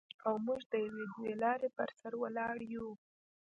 او موږ د یوې دوې لارې پر سر ولاړ یو.